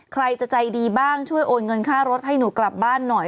ใครจะใจดีบ้างช่วยโอนเงินค่ารถให้หนูกลับบ้านหน่อย